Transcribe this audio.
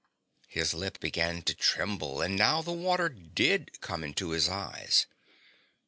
His lip began to tremble and now the water did come into his eyes.